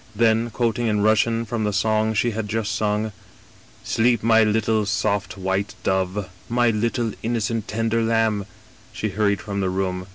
Then, quoting in Russian from the song she had just sung :* Sleep, my little soft white dove : my little innocent tender Iambi' She hurried from the room.